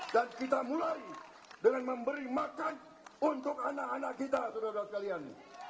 dan kita mulai dengan memberi makan untuk anak anak kita saudara saudara sekalian